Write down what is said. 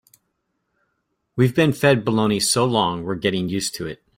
We've been fed baloney so long we're getting used to it.